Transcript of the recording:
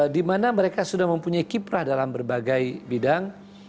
di mana mereka sudah mempunyai kiprah dalam berbagai bidang